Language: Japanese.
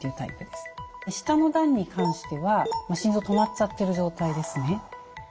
下の段に関しては心臓止まっちゃってる状態ですね。